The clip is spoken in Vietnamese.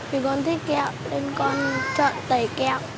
vì con thích kẹo nên con chọn tẩy kẹo